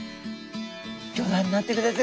ギョ覧になってください